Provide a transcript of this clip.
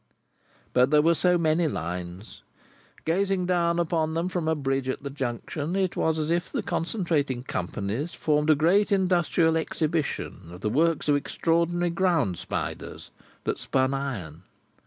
But there were so many Lines. Gazing down upon them from a bridge at the Junction, it was as if the concentrating Companies formed a great Industrial Exhibition of the works of extraordinary ground spiders that spun iron.